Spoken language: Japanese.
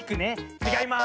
ちがいます！